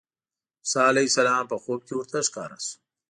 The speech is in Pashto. موسی علیه السلام په خوب کې ورته ښکاره شو.